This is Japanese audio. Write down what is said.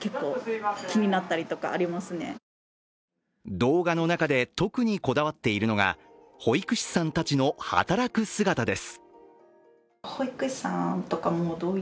動画の中で特にこだわっているのが保育士さんたちの働く姿です。